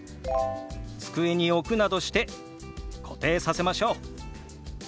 机に置くなどして固定させましょう。